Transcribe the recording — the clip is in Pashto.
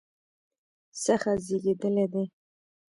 څخه زیږیدلی دی